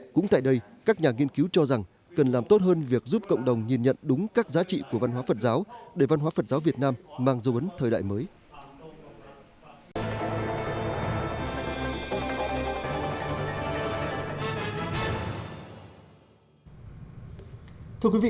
cũng tại đây các nhà nghiên cứu cho rằng cần làm tốt hơn việc giúp cộng đồng nhìn nhận đúng các giá trị của văn hóa phật giáo để văn hóa phật giáo việt nam mang dấu ấn thời đại mới